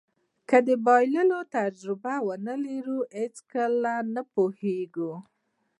که د بایللو تجربه ونلرئ هېڅکله نه پوهېږو.